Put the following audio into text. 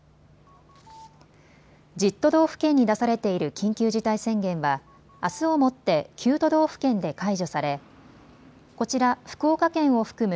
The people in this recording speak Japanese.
１０都道府県に出されている緊急事態宣言はあすをもって９都道府県で解除されこちら福岡県を含む